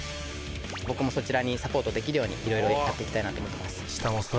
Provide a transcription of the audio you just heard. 僕もそちらにサポートできるように色々やっていきたいなと思ってます。